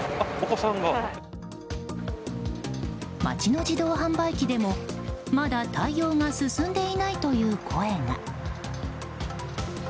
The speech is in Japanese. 街の自動販売機でもまだ対応が進んでいないという声が。